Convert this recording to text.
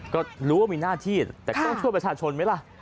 ก็รู้ว่ามีหน้าที่แต่ต้องช่วยประชาชนไหมล่ะ